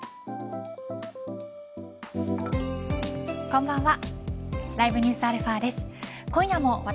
こんばんは。